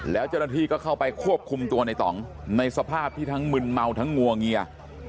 แล้วเจ้าหน้าที่ก็เข้าไปควบคุมตัวในต่องในสภาพที่ทั้งมึนเมาทั้งงวงเงีย